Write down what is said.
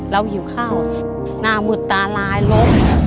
หิวข้าวหน้าหุดตาลายล้ม